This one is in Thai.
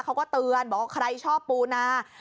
เขาก็เตือนบอกว่าใครชอบปูนา